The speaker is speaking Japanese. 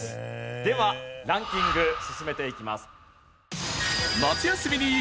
ではランキング進めていきます。